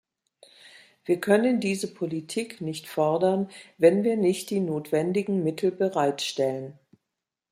Wir können diese Politik nicht fordern, wenn wir nicht die notwendigen Mittel bereitstellen.